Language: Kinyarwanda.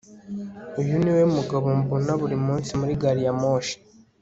Uyu niwe mugabo mbona buri munsi muri gari ya moshi